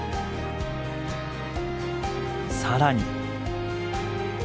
更に。